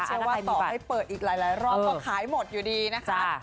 ว่าต่อให้เปิดอีกหลายรอบก็ขายหมดอยู่ดีนะคะ